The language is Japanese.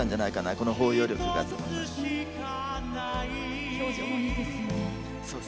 この包容力がと思います。